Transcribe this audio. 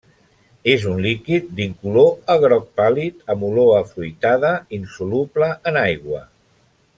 És un líquid d'incolor a groc pàl·lid, amb olor afruitada, insoluble en aigua.